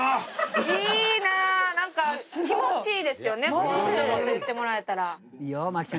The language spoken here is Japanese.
こういうこと言ってもらえたら。